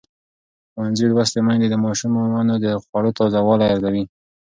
ښوونځې لوستې میندې د ماشومانو د خوړو تازه والی ارزوي.